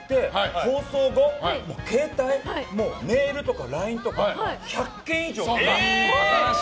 放送後携帯、メールとかＬＩＮＥとか１００件以上来た！